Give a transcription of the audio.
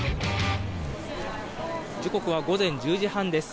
時刻は午前１０時半です。